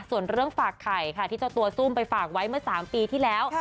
ส่วนเรื่องฝากไข่ค่ะที่เจ้าตัวซุ่มไปฝากไว้เมื่อ๓ปีที่แล้ว